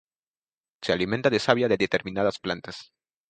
Se alimenta de savia de determinadas plantas.